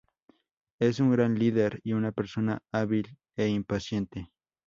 Es un gran líder y una persona hábil e impaciente.